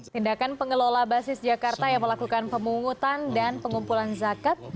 tindakan pengelola basis jakarta yang melakukan pemungutan dan pengumpulan zakat